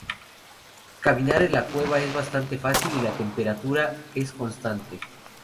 Caminar en la cueva es bastante fácil y la temperatura es constante.